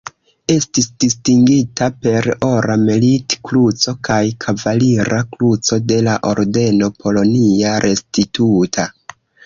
Estis distingita per Ora Merit-Kruco kaj Kavalira Kruco de la Ordeno Polonia Restituta.